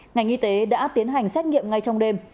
ngành y tế đã tiến hành xét nghiệm ngay trong đêm